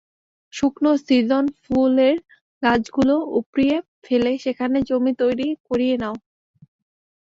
শুকনো সীজন ফুলের গাছগুলো উপড়িয়ে ফেলে সেখানে জমি তৈরি করিয়ে নাও।